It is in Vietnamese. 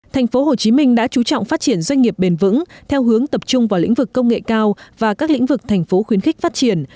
tp hcm đã chú trọng phát triển doanh nghiệp bền vững theo hướng tập trung vào lĩnh vực công nghệ cao và các lĩnh vực thành phố khuyến khích phát triển